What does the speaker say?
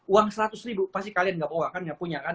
uang seratus ribu pasti kalian gak punya kan